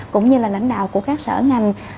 cũng như là lãnh đạo của các sở ngành